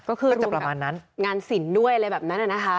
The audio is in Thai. ก็คือร่วมกับงานสินด้วยอะไรแบบนั้นน่ะนะคะ